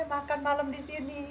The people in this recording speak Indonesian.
makan malam di sini